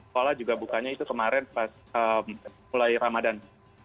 sekolah juga bukanya itu kemarin pas mulai ramadhan